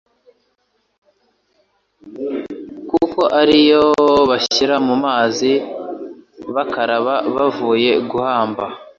kuko ariryo bashyira mu mazi bakaraba bavuye guhamba